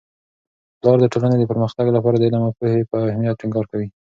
پلار د ټولنې د پرمختګ لپاره د علم او پوهې په اهمیت ټینګار کوي.